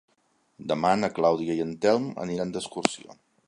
Demà na Clàudia i en Telm aniran d'excursió.